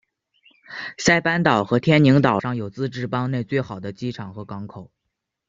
塞班岛和天宁岛上有自治邦内最好的机场和港口。